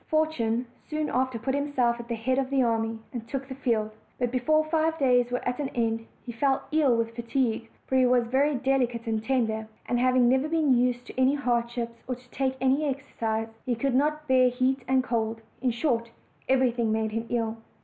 Fortune soon after put himself at the head of the army, and took the field; but before five days were at an end he fell ill with fatigue, for he was very delicate and OLD, OLD FAIRY TALES. 123 tender; and having never been used to any hardships, or to take any exercise, he could not bear heat and cold; in short, everything made him ill.